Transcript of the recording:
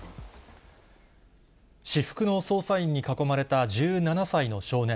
私服の捜査員に囲まれた１７歳の少年。